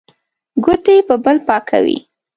ګوتې په بل پاکوي.